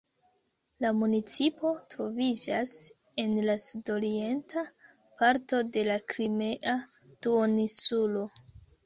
La municipo troviĝas en la sud-orienta parto de la Krimea duoninsulo.